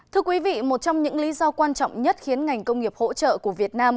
thưa quý vị một trong những lý do quan trọng nhất khiến ngành công nghiệp hỗ trợ của việt nam